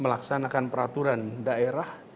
melaksanakan peraturan daerah